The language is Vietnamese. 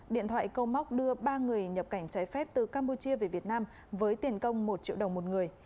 điện thoại câu móc đưa ba người nhập cảnh trái phép từ campuchia về việt nam với tiền công một triệu đồng một người